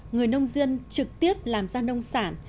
người nông dân trực tiếp làm ra nông sản